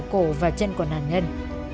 còn cuốn ở cổ và chân của nạn nhân